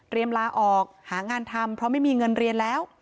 ลาออกหางานทำเพราะไม่มีเงินเรียนแล้ว